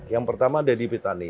yang pertama dedy pitani